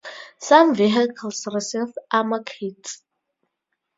Some vehicles received armor kits.